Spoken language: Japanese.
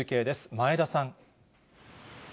前田さん。